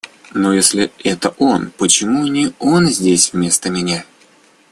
Но если это он, почему не он здесь вместо меня?